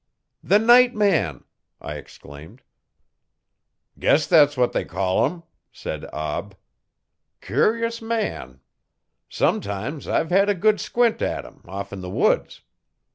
'The night man!' I exclaimed. 'Guess thet's what they call 'im,' said Ab. 'Curus man! Sometimes I've hed a good squint at 'im off 'n the woods.